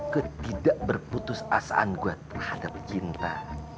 ketidak berputus asaan gue terhadap cinta